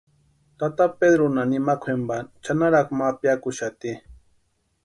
Tata Pedrunha nimakwa jempani chʼanarakwa ma piakuxati.